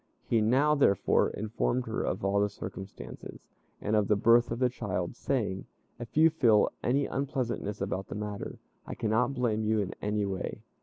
He now, therefore, informed her of all the circumstances, and of the birth of the child, saying, "If you feel any unpleasantness about the matter, I cannot blame you in any way.